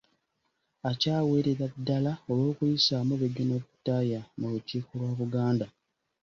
Akyawerera ddala olw’okuyisaamu Regional Tier mu lukiiko lwa Buganda